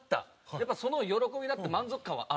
やっぱその喜びだって満足感はある。